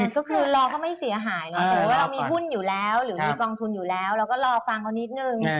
ก็คือเราก็ไม่เสียหายเนอะสมมุติว่าเรามีหุ้นอยู่แล้วหรือมีกองทุนอยู่แล้วเราก็รอฟังเขานิดนึง